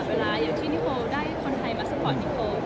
เวลาอย่างที่นิโคได้คนไทยมาสปอร์ตนิโค